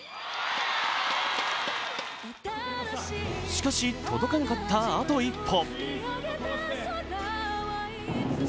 しかし、届かなかったあと一歩。